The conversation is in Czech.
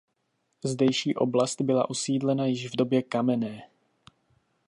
Zdejší oblast byla osídlena již v době kamenné.